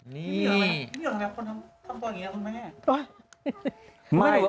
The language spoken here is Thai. นี่หรอทำไงชั่วนะแม่